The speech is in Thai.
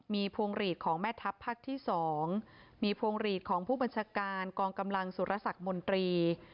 มีพวงหลีดของแม่ทัพภาคที่๒มีพวงหลีดของผู้บัญชาการกองกำลังสุรสักมนตรี